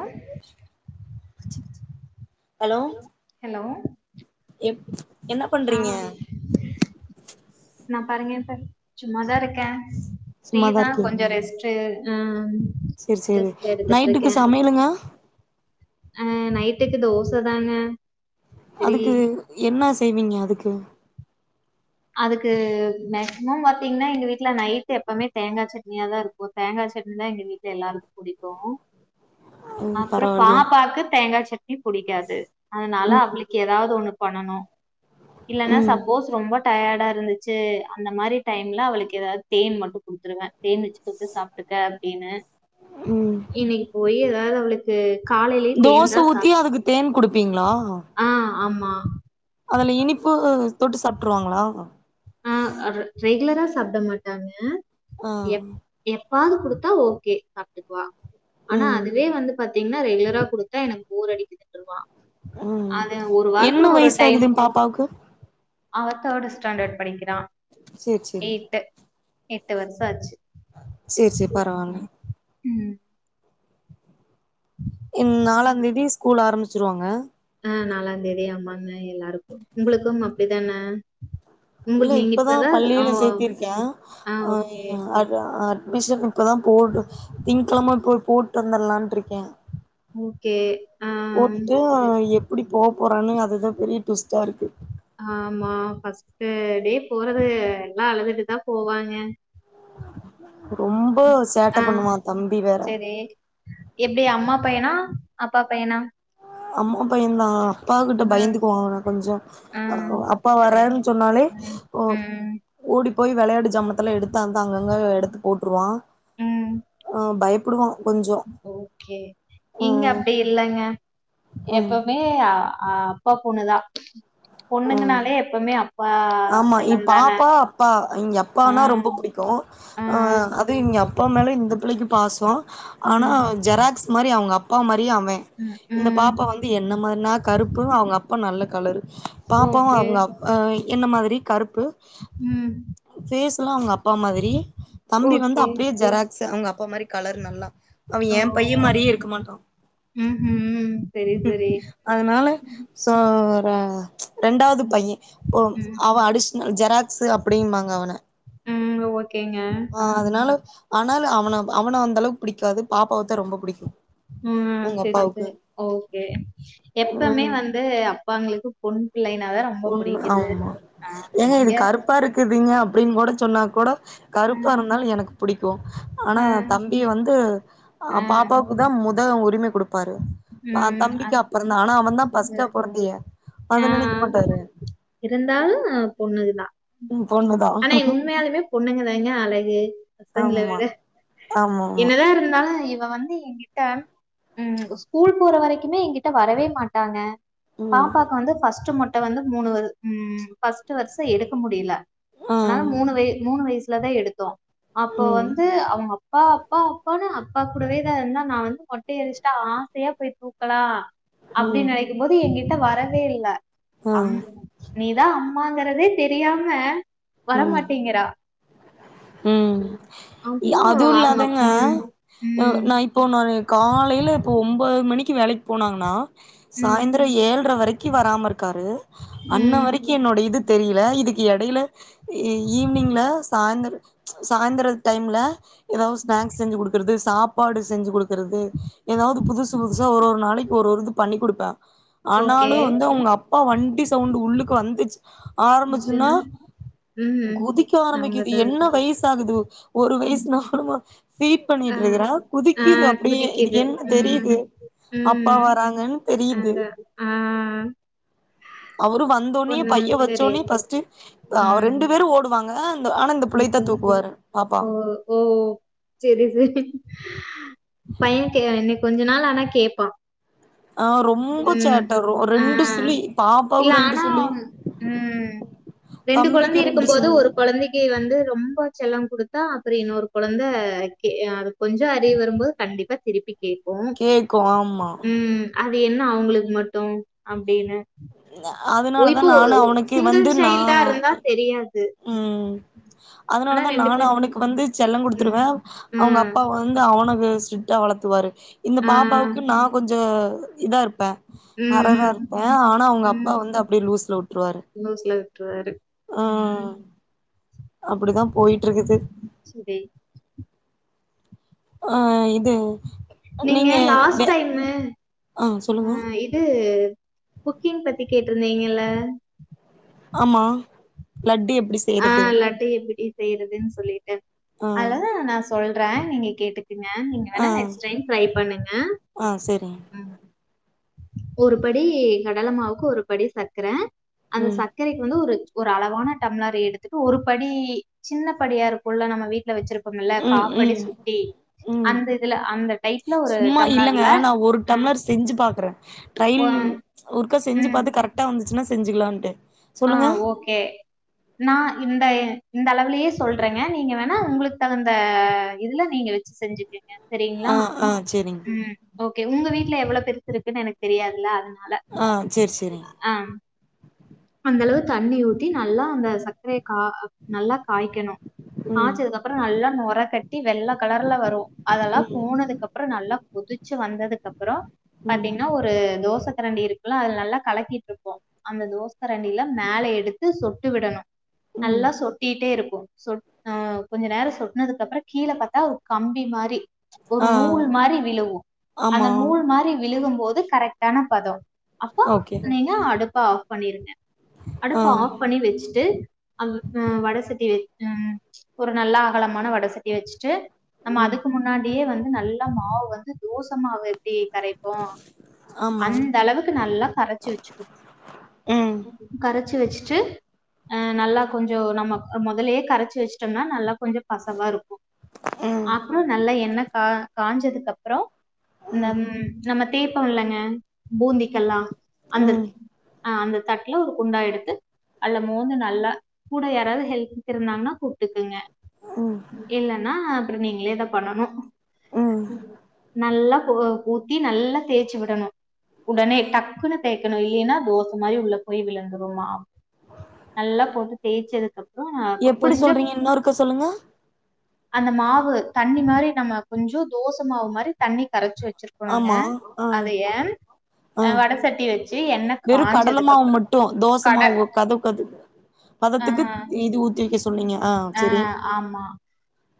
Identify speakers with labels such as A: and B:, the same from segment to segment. A: ஆ..
B: hello
A: hello...
B: எப் என்ன
A: ஆ
B: பண்றீங்க?..
A: நா பாருங்க இப்ப சும்மாதா இருக்கே
B: சும்மாதா
A: ஃப்ரீதா கொஞ்சோ
B: இருக்கீங்க
A: ரெஸ்டு
B: சேரி, சேரி நைட்டுக்கு சமையலுங்க.
A: அ நைட்டுக்கு தோச தாங்க செரி
B: அதுக்கு என்ன செய்வீங்க அதுக்கு
A: அதுக்கு மேக்சிமம் பாத்தீங்கன்னா எங்க வீட்ல நைட் எப்பமே தேங்கா சட்னியா தா இருக்கு தேங்கா சட்னி தா எங்க வீட்ல எல்லாருக்கு பிடிக்கு
B: ம்
A: அப்றோ
B: பரவாயில்லையே
A: பாப்பாக்கு தேங்கா சட்னி புடிக்காது. அதனால
B: ம்
A: அவளுக் எதாவுது ஒண்ணு பண்ணனு. இல்லன்னா
B: ம்
A: சப்போஸ் ரொம்ப, டையடா இருந்துச்சு, அந்த மாதிரி டைம்ல அவளுக்கு எதாவுது தேன் மட்டு குடுத்துருவே. தேன் வச்சு தொட்டு சாப், இருக்க அப்டின்னு.
B: ம்
A: இன்னைக்கு போய் எதாவுது அவளுக்கு காலையிலயே தேன்தா
B: தோச ஊத்தி
A: சாப்.
B: அதுக்கு தேன் குடுப்பீங்களா
A: ஆ ஆமா
B: அதுல இனிப்பு தொட்டு சாப்ட்ருவாங்களா
A: ஆ ர ரெகுலரா சாப்ட மாட்டாங்க
B: ஆ
A: எப் எப்பாவுது குடுத்தா ஓகே, சாப்பிட்டுக்குவா ஆனா
B: ம்
A: அதுவே வந்து பாத். டின்னா ரெகுலரா குடுத்தா எனக்கு போர் அடிக்குதுன்ருவா அது, ஒரு வாரத்துல ஒரு டைம்.
B: அப்பாவுக்கு
A: அவ தேர்டு ஸ்டாண்டர்ட் படிக்கிறா
B: சேரி சேரி
A: எயிட்டு எட்டு வருஷோ ஆச்சு
B: செரி செரி பரவால்ல
A: ம்..
B: ம் நாலா தேதி ஸ்கூல் ஆரம்பிச்சிருவாங்க.
A: ஆ நாலா தேதி ஆமாங்க எல்லாருக்கு. உங்களுக்கும் அப்டிதான,
B: இல்ல இப்பதா பள்ளியில சேத்திருக்கே
A: ஆ
B: அ இ
A: ஓகே.
B: அ அ அட்மிஷன் இப்பதா போடு திங்கிழம போய் போட்டு வந்துரலான் இருக்கே
A: ஓகே, ஆ
B: போட்டுட்டு
A: செரி.
B: எப்டி போ போறான்னு அதுதா பெரிய ட்விஸ்ட்டா இருக்கு
A: ஆமா ஃபர்ஸ்ட்டு டே போறது எல்லா அழுதுட்டுதா போவாங்க
B: ரொம்ப சேட்ட
A: ஆ
B: பண்ணுவா தம்பி வேற
A: சரி எப்டி அம்மா பையனா அப்பா பையனா
B: அம்மா பைய்யந்தா பாக்கட்டு பயந்துக்குவா அவ கொஞ்சோ
A: ஆ
B: அப் அப்பா
A: சரி
B: வராருன்னு சொன்னாலே
A: ம்
B: ஒ
A: ம்
B: ஓடி போயி வெளையாட்டு ஜாமாத்துலா எடுத்து அந்த அங்கங்க எடுத்து போட்ருவா
A: ம்
B: ஆ பயப்புடுவா கொஞ்சோ
A: ஓகே இங்க
B: ம்
A: அப்டி இல்லங்க
B: ம்
A: எப்போமே மே ஆ ஆ அப்பா பொண்ணுதா
B: ம்
A: பொண்ணுங்கனாலே எப்பவுமே அப்
B: ஆமா என் பாப்பா அப்பா அவிங்க அப்பானா
A: ம்
B: ரொம்ப பிடிக்கு அ
A: ம்
B: அது இவங்க அப் அப்பா மேலே இந்த பிள்ளைக்கு பாச ஆனா
A: ம்
B: ஜெராக்ஸ் மாறி அவங்க அப்பா மாறியே அவன்
A: ம்
B: இந்த
A: ம்
B: பாப்பா வந்து என்ன மாறி நா கருப்பு அவங்க அப்பா நல்ல கலரு பாப்பாவு
A: ஓகே
B: அவங்க அப் அ என்ன மாதிரி கருப்பு
A: ம்
B: ஃபேஸ்லா அவங்க அப்பா மாதிரி தம்பி வந்து
A: ஓகே
B: அப்படியே ஜெராக்ஸ்ஸு அவங்க அப்பா மாறி கலர் நல்லா அவன் என் பைய்ய மாறியே இருக்க மாட்டான்
A: ம்ம்சரி சரி
B: ஓ அதனால சோ ரா ரெண்டாவது பையன் ஓ
A: ம்
B: அவ அடிஷ்னல் ஜெராக்ஸ்ஸு அப்படிம்பாங்க அவன
A: ம் அ ஓக் க்கேங்க
B: ஆ அதனால ஆனாலு அவன அவன அந்த அளவுக்கு புடிக்காது பாப்பாவத்தா ரொம்ப பிடிக்கு
A: ம் செரி செரி ஓகே எப்பமே
B: ம்
A: வந் து அப்பாங்களுக்கு பொண் பிள்ளைனாதா
B: பொண்ணு ஆமா ஏங்க இது கருப்பா இருக் க்குதுங்க அப்டின்னு கூட சொன்னா கூட
A: அ
B: கருப்பா இருந்தாலு எனக்கு புடிக்கும் ஆனா
A: அ
B: தம் இ வந்து அ பாப்பாவுக்கு தா மொத உரிமை குடுப் பாரு பா
A: ம்.
B: தம்பிக்கு
A: அத்
B: அப்பறந்தா ஆனா அவன் தா ஃபர்ஸ்ட்டா பொறந்தியே அத நெனைக்க மாட்டாரு
A: இருந்தாலு பொண்ணுது தா
B: ம் பொண்ணுதா
A: ஆனா உண்மையாலுமே பொண்ணுங்கதாங்க அழகு பசங்கள
B: ஆமா
A: விட
B: ஆமா ஆமா
A: என்னதா இருந்தாலு இவ வந்து எங்கிட்ட ம் ஸ்கூல் போற வரைக்குமே என்கிட்ட வரவே மாட்டாங்க
B: ம்
A: பாப்பாக்கு வந்து ஃபர்ஸ்ட்டு மொட் ட்ட வந்து மூணு வரு ம் ஃபர்ஸ்ட் வருஷ எடுக்க முடியில
B: ஆ
A: அதனால மூணு வய மூணு வயசுலதா எடுத்தோ அப்போ
B: ம்
A: வந்து அவங்க அப் அப்பா அப்பா அப்பான்னு அப்பா கூடவே தா இருந்தா நா வந்து மட் யே எரிச்சிட்டா ஆசையா போய் தூக்கலா
B: ம்
A: அப்டின் நனைக்கும் போது என்கிட்ட வரவே இல்ல
B: ஆ
A: அம் நீ தா அம்மாங்கிறதே தெரியாம
B: ம்
A: வரமாட்டிங்கிறா
B: ம்
A: அப்புறம்
B: அதுவு
A: அவங்க
B: இல்லாதங்க
A: அப்- ம் ம்
B: நா இப் இப்போ நானு காலையில இப்போ ஒம்பது மணிக்கி வேலைக் போனாங்கணா
A: ம்
B: சாய்ந்தரோ ஏழரை வரைக்கு வராம இருக்காரு அன்ன
A: ம்
B: வரை கி என்னோட இது தெரில இதுக்கு இடையில ஈவினிங்ல சாய்ந்தர சாய்ந்தர டைம்ல ஏதாது ஒரு ஸ்நாக்ஸ் செஞ்சு குடுக்கறது சாப்பாடு செஞ்சு குடுக்குறது ஏதாவது புதுசு புதுசா ஒரு ஒரு நாளைக்கு ஒரு ஒரு இது பண்ணி குடுப்பே
A: ஓகே
B: ஆனாலு வந்து அவங்க அப்பா வண்டி சவுண்டு உள்ளுக்கு வந்துச்சு ஆரம்பிச்சதுன்னா
A: ம்
B: குதிக்க
A: அவங்க
B: ஆரம்பக்கிது
A: தான்
B: என்ன வயசாகுது ஒரு வயசு நாலு மா ஃபீட்
A: ஆ
B: பண்ணிட்டு இருக்குற
A: ஆ
B: குதிக்குது அப்படியே இதுக்கு
A: குதிக்குது
B: என்ன
A: ம்
B: தெரியுது அப்பா
A: ம்
B: வராங்கன்னு தெரியுது
A: அதான் ஆ
B: அவரு வந்த ஒனே
A: பொண்ணுங்க
B: பைய வச்ச
A: சரி
B: ஒனே ஃபர்ஸ்ட்டு ஆ அவ
A: ம்
B: ரெண்டு பேரு ஓடுவாங்க அந்த ஆனா இந்த புள்ளையத்தா
A: ஓகே
B: தூக்குவாரு பாப்பா
A: ஓ ஓ செரி சேரி பையன்க்கு இனி கொஞ்சோ நாள் ஆனா கேப்பா
B: ஆ ரொம்ப
A: ம்
B: சேட்ட ரொ
A: ஆ
B: ரெண்டு சுழி
A: இல்ல
B: பாப்பாவுக்கு ரெண்டு
A: ஆனா
B: சுழி
A: ம் ரெண்டு கொழந்தை
B: தம்பிக்கு ரெண்டு
A: இருக்கும் போது
B: சுழி
A: ஒரு கொழந்தைக் கி வந்து ரொம்ப செல்லம் குடுத்தா அப்றோ இன்னொரு கொழந்த கே அதுக்கு கொஞ்சோ அறிவு வரும்போது கண்டிப்பா திருப்பி கேக்கு
B: கேக்கு ஆமா
A: ம் அது என்ன அவுங்களுக்கு மட்டு அப்டின்னு ஓ
B: அதனாலதா
A: இப்போ
B: நானு அவனுக்கு
A: சிங்கிள்
B: வந்து நா
A: சைல்டா இருந்தா தெரியாது
B: ம்
A: ஆனா
B: அதனாலதா
A: ரெண்டு
B: நானு
A: பேர்
B: அவனுக்கு வந்து செல்லங்
A: ம்
B: குடுத்துருவே அவுங்க
A: ம்
B: அப்பா வந் வந்து அவனுக்கு ஸ்ட்ரிட்டா வளத்துவாரு இந்த
A: ஆ
B: பாப்பாவுக்கு நா கொஞ்சோ இதாருப்பே ஹரரா
A: ம்
B: இருப்பே ஆனா
A: ம்
B: அவுங்க
A: ம்
B: அப்பா வந்து அப்டியே லூஸ்ல வுட்ருவாரு
A: லூஸ்ல விட்ருவாரு
B: ஆ அப்டிதா போயிட்டுருக்குது
A: செரி
B: ஆ இது
A: நீங்க லாஸ்ட் டைமு
B: ஆ சொல்லுங்க
A: ஆ இது குக்கிங் பத்தி கேட்ருந்தீங்கல்ல
B: ஆமா லட்டு எப்டி
A: ஆ
B: செய்றது
A: லட்டு எப்டி செய்றதுன்னு சொல்லிட்டு
B: ஆ
A: அதுல நா சொல்றே நீங்க கேட்டுக்குங்க நீங்க
B: ஆ
A: வேணா நெக்ஸ்ட் டைம் ட்ரை பண்ணுங்க
B: ஆ செரிங்க
A: ம் ஒரு படி கடலமாவுக்கு ஒரு படி சக்கர அந்த சக்
B: ம்
A: சக்கரைக்கு வந்து ஒரு ஒரு அளவான டம்ளர் எடுத்துட்டு ஒரு படி சின்னபடியா இருக்குல்ல நம்ம வீட்ல வச்சிருப்போம்ல
B: ம்
A: காப்படி
B: ம்
A: சுட்டி
B: ம் சும்மா இல்லங்க
A: டம்ளர்ல
B: நா ஒரு
A: ஆ
B: டம்ளர் செஞ்சு பாக்றே ட்ரயில்
A: ஓ-
B: ஒருக்கா செஞ்சு
A: ம்
B: பாத்து கரெக்டா வந்துச்சுன்னா செஞ்சுக்கலான்ட்டே
A: ஆ ஓகே நா இந்த இந்த அளவுலயே சொல்றேங்க நீங்க வேணா உங்களுக்கு தகுந்த இதுல நீங்க செஞ்சுக்கங்க சரிங்ளா
B: ஆ ஆ சேரிங்
A: ம் ஓகே உங்க வீட்ல எவ்ளோ பெருசு இருக்குன்னு எனக்கு தெரியாதுல்ல அதனா
B: ஆ சேரி சேரிங்
A: ஆ அந்த அளவு தண்ணி ஊத்தி நல்லா அந்த சக்கரய கா நல்லா காய்க்கணு
B: ம்
A: காச்சதுக்கப் அப்றோ நல்லா நொர கட்டி வெள்ள கலர்ல வரு அதெல்லா
B: ம்
A: போனதுக்கப்புறோ நல்லா கொதிச்சு வந்ததுக்கப்றோ
B: ம்
A: பாத்தீங்கன்னா ஒரு ஒரு தோச கரண்டி இருக்குல்ல அதுல நல்லா கலக்கிட்டுருப்போ அந்த தோச கரண்டில மேல எடுத்து சொட்டு விடணு
B: ம்
A: நல்லா சொட்டிட்டே இருக்கு சொட் ஆ கொஞ்சோ நேரோ சொட்னதுக்கப்றோ கீழ பாத்தா ஒரு கம்பி மாரி ஒரு
B: ஆ
A: நூல் மாரி விழுவு அந்த
B: ஆமா
A: நூல் மாரி விழுகும் போது கரெக்டான பதோ அப்போ
B: ஓகே
A: நீங்க அடுப்ப ஆஃப் பண்ணிருங்க
B: ஆ
A: அடுப்ப ஆஃப் பண்ணி வச்சிட்டு அ வடசட்டி வை ம் ஒரு நல்லா அகலமான வடசட்டிய வச்சுட்டு நம்ம
B: ம்
A: அதுக்கு முன்னாடியே வந்து நல்லா மாவு வந்து தோச மாவு எப்டி கரைப்போ
B: ஆமா
A: அந்த அளவுக்கு நல்லா கரச்சு
B: ம்
A: வச்சுக்கனு கரச்சு வச்சுட்டு ஆ நல்லா கொஞ்சோ நம்ம முதல்லயே கரச்சு வச்சிட்டோம்னா நல்லா கொஞ்சோ பச வாருக்கு
B: ம்
A: அப்றோ நல்லா எண்ண கா காஞ்சதுக்கப்றோ இந்த ம் நம்ம தேப்போல்லங்க பூந்திக்கெல்லா அந்த
B: ம்
A: ஆ அந்த தட் நல்லா ஒரு குண்டா எடுத்து அதுல மோந்து நல்லா கூட யாராவது ஹெல்ப்க்கு இருந்தாங்கன்னா கூப்பிட்டுக்குங்க
B: ம்
A: இல்லன்னா அப்புறம் நீங்களேதான் பண்ணணும்
B: ம்
A: நல்லா போ போ ஊத்தி நல்லா தேய்ச்சி விடணும் உடனே டக்குன்னு தேய்க்கணும் இல்லைன்னா தோசை மாறி உள்ள போய் விழந்துருமா நல்லா போட்டு தேய்ச்சதுக்கப்
B: எப்படி சொல்றீங்க இன்னொருக்க சொல்லுங்க
A: அந்த மாவு தண்ணி மாரி நம்ம கொஞ்சோ தோச மாவு மாரி தண்ணி கரைச்சி வச்சிருக் புனுங்க
B: ஆமா ஆ
A: அதய அ
B: ஆ
A: வட சட்டிய வச்சி எண்ணெ காஞ்சதுக்கப்
B: ட்டும் தோசமா கதவ க பதத்துக்கு
A: ஆ
B: இது ஊத்து வைக்க சொன்னீங்க ஆ சரி
A: ஆமா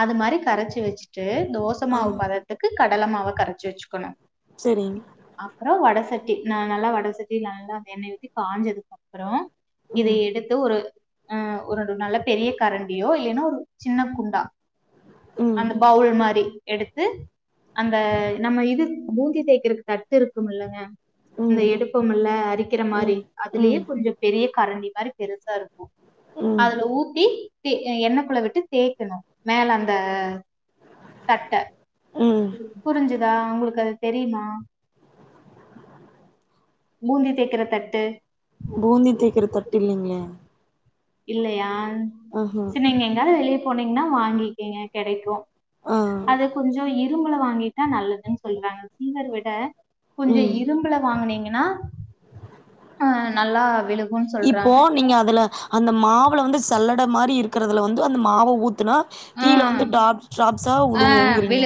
A: அது மாதிரி கரைச்சி வச்சிட்டு தோசை
B: ஆ
A: மாவு பதத்துக்கு கடலை மாவ கரைச்சி வச்சிக்கணும்
B: சேரிங்
A: அப்புறம் வட சட்டி நா நல்லா வடசட்டி நல்ல அந்த எண்ணெய் ஊத்தி காஞ்சதுக்கப்புறம் இத
B: ம்
A: எடுத்து ஒரு ஆ ஒரு நல்ல பெரிய கரண்டியோ இல்லன்னா ஒரு சின்ன குண்டா
B: ம்
A: அந்த பவுல் மாறி எடுத்து அந்த நம்ம இது பூந்தி தேய்கறக்கு தட்டு இருக்கும்ல்லங்க இந்த
B: ம்
A: எடுப்போ இல்ல அரிக்கிற மாதிரி
B: ம்
A: அதிலேயே
B: ம்
A: கொஞ்சம் பெரிய கரண்டி மாதிரி பெருசா இருக்கும்
B: ம்
A: அதுல ஊத்தி எண்ணக்குள்ள விட்டு தேய்க்கணும் மேல அந்த தட்ட
B: ம்
A: புரிஞ்சுதா உங்களுக்கு அது தெரியுமா பூந்தி தேய்க்கிற தட்டு
B: பூந்தி தேய்க்கற தட்டு இல்லைங்களே
A: இல்லையா
B: ஆஹா
A: சேரி நீங்க எங்காது வெளிய போனீங்கன்னா வாங்கிக்கீங்க கெடைக்கு
B: ஆ
A: அது கொஞ்சம் இரும்புல வாங்கிட்டா நல்லதுன்னு சொல்றாங்க சில்வர் விட கொஞ்ச
B: ம்
A: இரும்புல வாங்கினீங்கன்னா ஆ நல்லா விழு
B: இப்போ நீங்க அதுல அந்த மாவுல வந்து சல்லட மாறி இருக்கறதுல வந்து அந்த மாவ ஊத்துனா கீழே
A: ஆ
B: வந்து டாப் ட்ராப்ஸ்ஸா
A: ஆ
B: உழுவுங்கிறீங்க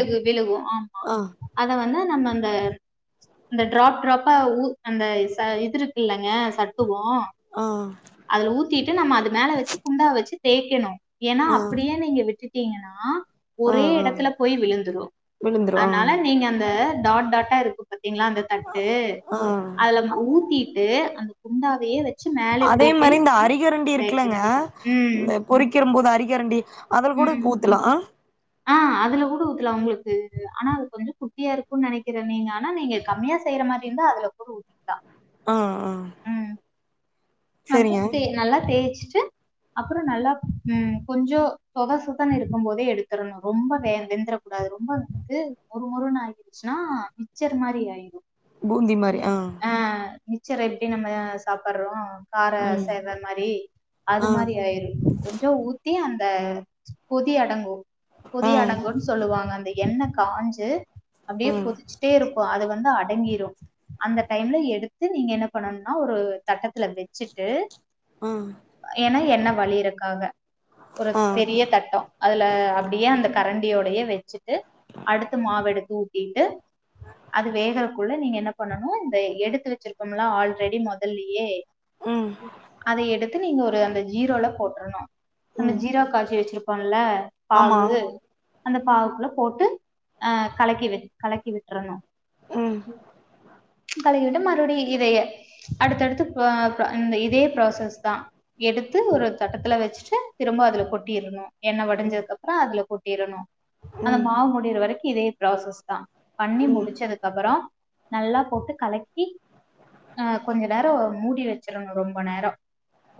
B: ஆ
A: அத வந்து நம்ம அந்த அந்த டிராப் டிராப்பா ஊத் அந்த ச இதுருக்குல்லங்க சத்துவோ
B: ஆ
A: அதுல ஊத்திட்டு நம்ம அது மேல வச்சி குண்டாவ வச்சி தேய்க்கணும் ஏன்னா
B: ஆ
A: அப்படியே நீங்க விட் ட்டிங்ககன்னா
B: ஆ
A: ஒரே
B: ஆ
A: இடத்துல போய் விழுந்துரும்
B: விழுந்துரு ஆ
A: அதனால நீங்க அந்த டாட் டாட்டா குண்டா இருக்கு பாத்தீங்களா அந்த தட்டு
B: ஆ
A: அதுல ஊத்திட்டு அந்த குண்டாவேயே வச்சி
B: அதே மாரி இந்த அரிகரண்டி இருக்குல்லங்க
A: தேய்க்கணும் ம்
B: இந்தப் பொறிக்கற போது அரிக்கரண்டி அதுல கூட
A: ம்
B: ஊத்தலா
A: ஆ அதுல கூட ஊத்துல உங்களுக்கு ஆனா அது கொஞ்சம் குட்டியா இருக்கும்ன்னு நெனைக்கறேன் நீங்க ஆனா நீங்க கம்மியா செய்யற மாதிரி இருந்தா அதுல கூட ஊத்திக்கலாம்
B: ஆ ஆ செரிங்க
A: அப்ப நல்லா தேய்ச்சிட்டு அப்புறோ நல்லா ம் கொஞ்சோ சொத சுதன்ன இருக்கும் போதே எடுத்துரனு ரொம்ப வே வெந்தரக் கூடாது ரொம்ப வந்து மொறு மொறுன்னு ஆகிடுச்சின்னா மிச்சர் மாதிரி ஆயிடும்
B: பூந்தி மாரி
A: ஆ மிச்சர எப்படி நம்ம சாப்படுறோம் கார
B: ம்
A: சேந்த மாரி அது
B: ஆ
A: மாரி ஆயிரு கொஞ்ச ஊத் தி அந்த கொதி அடங்கும் கொதி
B: ஆ
A: அடங்குன் சொல்லுவாங்க அந்த எண்ணெ காஞ்சி அப்டியே
B: ஆ
A: கொதிச்சிட்டேருக்கு அது வந்து அடங்கிரும் அந்த டைம்ல எடுத்து நீங்க என்ன பண்ணும்னா ஒரு தட்டத்துல ச்சிட்டு
B: ஆ
A: ஏன்னா எண்ணெய் வழியருக்காக ஒரு
B: ஆ
A: பெரிய தட்டோ அதுல அப்டியே அந்த கரண்டியோடையே வெச்சு ட்டு அடுத்து மாவு எடுத்து ஊத்திட்டு அது வேகக்குள்ள நீங்க என்ன பண்ணணு இந்த எடுத்து வச்சிருப்போம்ல்ல ஆல்ரெடி முதல்லயே
B: ம்
A: அத எடுத்து நீங்க ஒரு அந்த ஜீரோல போட்ரணு அந்த
B: ம்
A: ஜீரா காச்சி வெச்சிருக் க்குல்ல
B: ஆமா
A: பாவு இது அந்த பாவுக்குல போட்டு அ கலக்கி வி கலக்கி விட்றணு
B: ம்
A: கலைகட்டோ மறுபடியு இதைய அடுத்தடுத்து இந்த இதே ப்ராசஸ் தா எடுத்து ஒரு தட்டத்துல வச்சுட்டு திரும்ப அதுல கொட்டிரணோ எண்ண
B: ம்
A: வடிஞ்சதுக்கப்புறோ அதுல கொட்டிரணோ அந்த
B: ம்
A: மாவு முடியிற வரைக் இதே ப்ராசஸ் தா பண்ணி
B: ம்
A: முடிச்சது அப்ரோ நல்லா போட்டு கலக்கிஹ கொஞ்ச நேரம் மூடி வெச்சிரணோ ரொம்ப நேரோ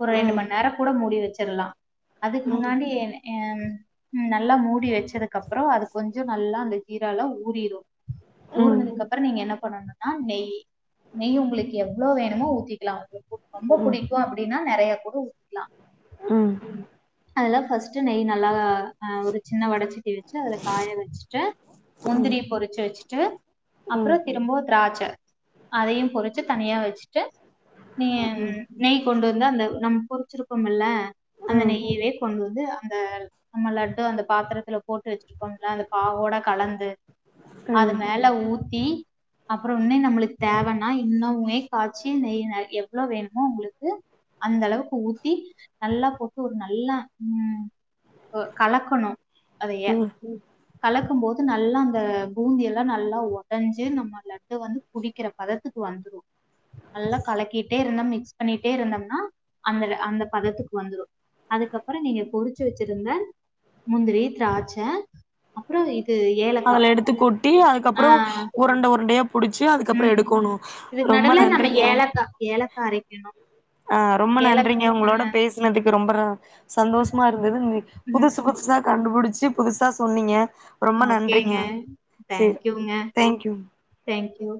A: ஒரு
B: ம் ம்
A: ரெண்டு
B: ம்
A: மண் நேரோ கூட மூடி வெச்சிரலா அதுக்கு முன்னாடி அ ம் ம் நல்லா மூடி வச்சதுக் கப்றோ அது கொஞ்சோ நல்லா அந்த ஜீரால ஊரிரோ
B: ம் ம்
A: ஊறனதுக்கப்பறொ நீங்க என்ன பண்ணனோ அ நெய் நெய் உங்களுக்கு எவ்ளோ வேணுமோ ஊத்திக்லா உங்குளுக்கு. ரொம்ப
B: ம்
A: புடிக்கு அப்டின்னா நெறைய கூட ஊத்திக்கலா
B: ம்
A: அதுள்ள பர்ஸ்ட்டு நெய் நல்லா ஒரு சின்ன வடசெட்டி வச்சி பஸ்ட்டு அதுல காய வெச்சுட்டு முந்திரி பொரிச்சு வெச்சுட்டு. அப்புரோ திரும்பவு திராட்ச அதையு பொறிச்சு தனியா வெச்சுட்டு நீ ம் நெய் கொண்டு வந்து அந்த நம்ம பொரிச்சிருக்கோம்ல அந்த
B: ம்
A: நெய்யவே கொண்டு வந்து அந்த நம்ம லட்டு அந்த பாத்தரத்துல போட்டு வெச்சிருக்கோம்ல அந்த பாவோட கலந்து அது
B: ம்
A: மேல். ஊத்தி அப்ரொ இன்னு நம்மளுக்கு தேவனா இன்னுமே காய்ச்சி நெய்ல எவ்ளோ வேணுமோ உங்குளுக்கு. அந்த அளவுக்கு ஊத்தி நல்லா போட்டு ஒரு நல்லா ம் கு கலக்கனோ அதைய
B: ம்
A: கலக்கும் போது நல்லா அந்த பூந்தி எல்லா நல்லா ஒடஞ்சி நம்ம லட்டு வந் புடிக்கிற பதத்துக்கு வந்துரோ நல்லாக். கலக்கிட்டே இருந்தோ மிக்ஸ் பண்ணிட்டே இருந்தோம்னா அந்த அந்த பதத்துக்கு வந்துரோ அதுக்கப்பறோ நீங்க பொரிச்சு வெச்சிருந்த முந்திரி த்ராச்ச அப்பரொ இது. ஏலக்கா
B: அதுல எடுத்து கொட்டி
A: ஆ
B: அதுக்கப்புறோ உரண்ட உரண்டயா புடிச்சி அதுக்கப்புறம்
A: ம்
B: எடுக்கொணு ரொம்ப நன்றிங்க
A: ஏழக்கா அரைக்கணு
B: ஆஹ் ரொம்ப
A: ஏலக்கா
B: நன்றிங்க
A: ஆ
B: உங்களோட பேசினதுக்கு ரொம்ப ர சந்தோஷமா இருந்தது
A: ம்
B: புதுசு புதுசா கண்டுபுடிச்சு புதுசா சொன்னீங்க ரொம்ப நன்றீங்க
A: ஓகேங்க
B: செரி தேங்க்யூ
A: தேங்க் யூ